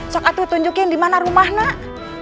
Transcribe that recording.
sokatu tunjukin di mana rumah nak